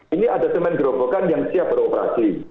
ini ada semen gerobokan yang siap beroperasi